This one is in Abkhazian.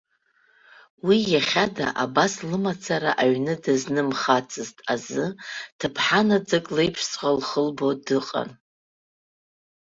Уи иахьада абас лымацара аҩны дазнымхацызт азы, ҭыԥҳа наӡак леиԥшҵәҟьа лхы лбо дыҟан.